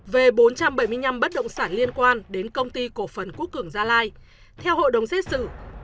về bốn trăm bảy mươi năm bất động sản liên quan đến công ty cổ phần quốc cường gia lai theo hội đồng xét xử